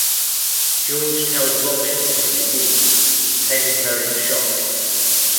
George tells Robin of his disease, sending her into shock.